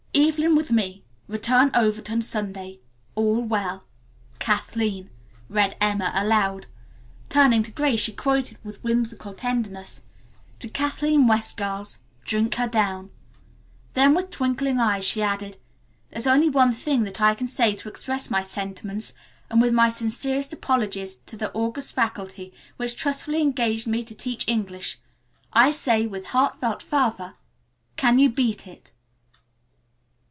"Evelyn with me. Return Overton Sunday. All well "KATHLEEN." read Emma aloud. Turning to Grace she quoted with whimsical tenderness, "To Kathleen West, girls, drink her down." Then with twinkling eyes she added, "There's only one thing that I can say to express my sentiments, and, with my sincerest apologies to the august faculty which trustfully engaged me to teach English, I say it with heartfelt fervor, 'Can you beat it?'"